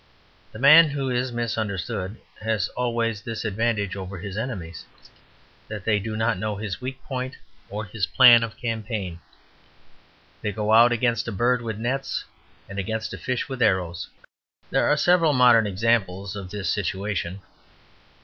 The man who is misunderstood has always this advantage over his enemies, that they do not know his weak point or his plan of campaign. They go out against a bird with nets and against a fish with arrows. There are several modern examples of this situation.